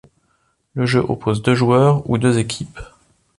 Le jeu oppose deux joueurs ou deux équipes.